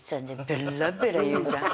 ベッラベラ言うじゃん？